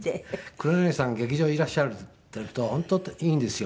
黒柳さんが劇場にいらっしゃっていると本当いいんですよ。